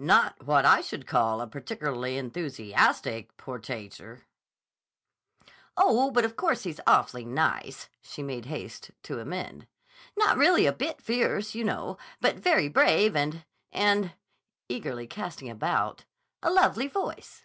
"Not what I should call a particularly enthusiastic portaiture." "Oh, but of course he's awfully nice," she made haste to amend. "Not really a bit fierce, you know, but very brave and—and" (eagerly casting about) "a lovely voice."